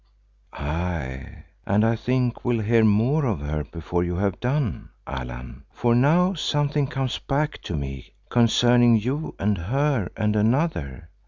"Aye, and I think will hear more of her before you have done, Allan, for now something comes back to me concerning you and her and another.